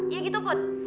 iya gitu put